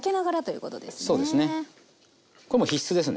これもう必須ですね。